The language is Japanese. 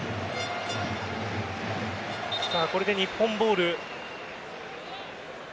これで日本ボール。